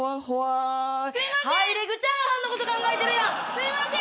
すいません。